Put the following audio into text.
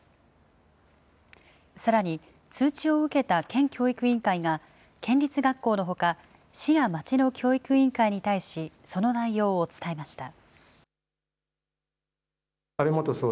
さらに、通知を受けた県教育委員会が、県立学校のほか、市や町の教育委員会に対し、その内容を伝えました。